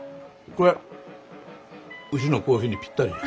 これうちのコーヒーにぴったりじゃ。